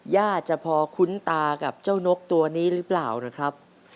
ญาติจะพอคุ้นตากับเจ้านกตัวนี้หรือเปล่านะครับ